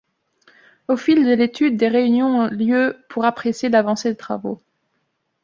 Au fil de l'étude, des réunions ont lieu pour apprécier l'avancée des travaux.